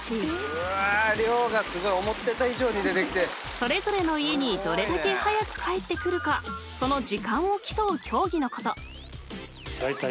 ［それぞれの家にどれだけ早く帰ってくるかその時間を競う競技のこと］